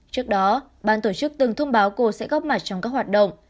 trước đó ban tổ chức từng thông báo cô sẽ góp mặt trong các hoạt động